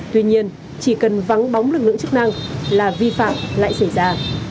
tuy nhiên chỉ cần vắng bóng lực lượng chức năng là vi phạm lại xảy ra